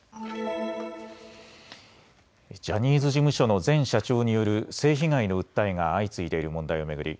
ジャニーズ事務所の前社長による性被害の訴えが相次いでいる問題を巡り